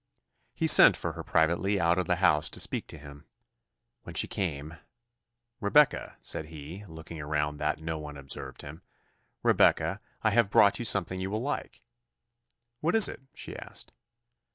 He sent for her privately out of the house to speak to him. When she came, "Rebecca," said he (looking around that no one observed him), "Rebecca, I have brought you something you will like." "What is it?" she asked.